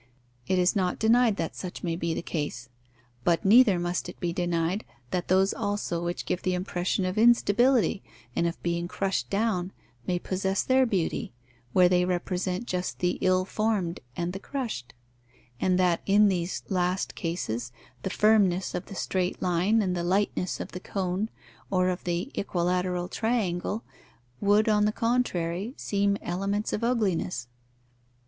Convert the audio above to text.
It is not denied that such may be the case. But neither must it be denied that those also which give the impression of instability and of being crushed down may possess their beauty, where they represent just the ill formed and the crushed; and that in these last cases the firmness of the straight line and the lightness of the cone or of the equilateral triangle would, on the contrary, seem elements of ugliness.